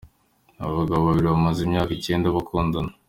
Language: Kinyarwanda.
Abo bagabo babiri bamaze imyaka icenda bakundana.